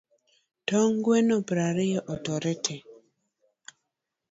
Tong' gweno prariyo otore te